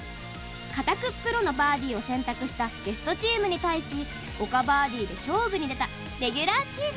固くプロのバーディーを選択したゲストチームに対し岡バーディーで勝負に出たレギュラーチーム。